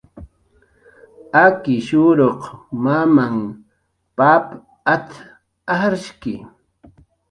"Akishuruq mamahn pap at"" ajrshki"